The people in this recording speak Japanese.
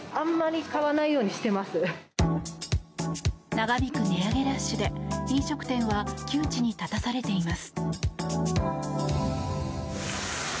長引く値上げラッシュで飲食店は窮地に立たされています。